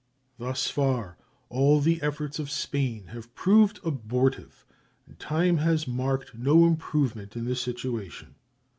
Thus far all the efforts of Spain have proved abortive, and time has marked no improvement in the situation.